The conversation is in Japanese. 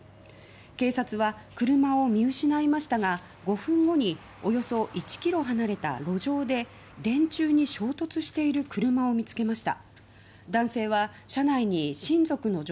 警察は車を見失いましたが５分後におよそ１ｋｍ離れた路上で電柱に衝突している車を見つけました。